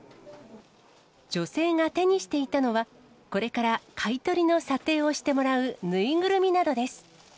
女性が手にしていたのは、これから買い取りの査定をしてもらう縫いぐるみなどです。